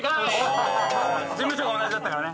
事務所が同じだったからね。